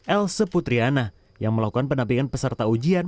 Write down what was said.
else putriana yang melakukan penampilan peserta ujian